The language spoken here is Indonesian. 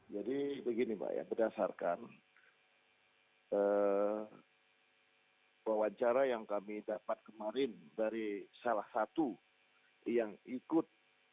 jadi begini pak berdasarkan wawancara yang kami dapat kemarin dari salah satu yang ikut